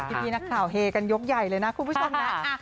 พี่นักข่าวเฮกันยกใหญ่เลยนะคุณผู้ชมนะ